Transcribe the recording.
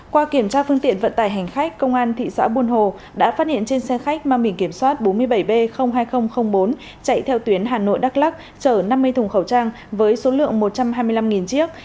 qua kiểm tra phương tiện vận tải hành khách công an thị xã buôn hồ đã phát hiện trên xe khách mang mình kiểm soát bốn mươi bảy b hai nghìn bốn chạy theo tuyến hà nội đắk lắc chở năm mươi thùng khẩu trang với số lượng một trăm hai mươi năm chiếc